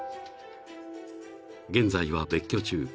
［現在は別居中］